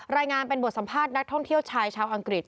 รายงานเป็นบทสัมภาษณ์นักท่องเที่ยวชายชาวอังกฤษ